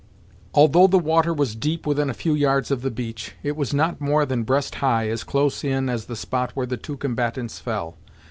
Although the water was deep within a few yards of the beach, it was not more than breast high, as close in as the spot where the two combatants fell.